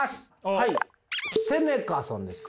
はいセネカさんですか？